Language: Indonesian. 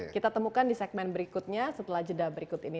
kita temukan di segmen berikutnya setelah jeda berikut ini